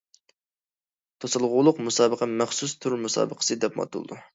توسالغۇلۇق مۇسابىقە مەخسۇس تۈر مۇسابىقىسى دەپمۇ ئاتىلىدۇ.